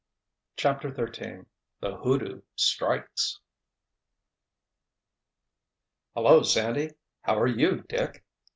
CHAPTER XIII THE "HOODOO" STRIKES "Hello, Sandy! How are you, Dick?"